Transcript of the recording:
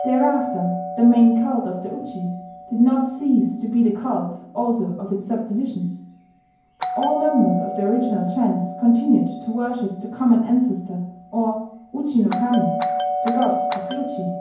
Thereafter the main cult of the uji did not cease to be the cult also of its sub divisions: all members of the original gens continued to worship the common ancestor, or uji no kami, "the god of the uji."